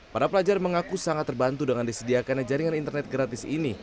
para pelajar mengaku sangat terbantu dengan disediakannya jaringan internet gratis ini